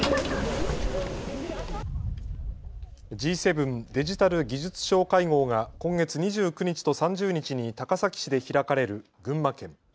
Ｇ７デジタル・技術相会合が今月２９日と３０日に高崎市で開かれる群馬県。